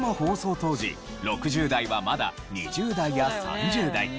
当時６０代はまだ２０代や３０代。